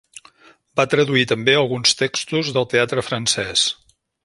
Va traduir també alguns textos del teatre francès.